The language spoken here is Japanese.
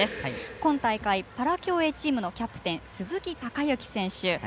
今大会パラ競泳チームのキャプテン鈴木孝幸選手。